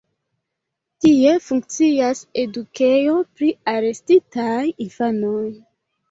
Tie funkcias edukejo pri arestitaj infanoj.